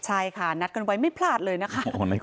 ใช่ค่ะนัดกันไว้ไม่พลาดเลยนะคะ